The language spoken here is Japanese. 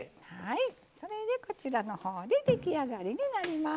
それで、こちらのほうで出来上がりになります。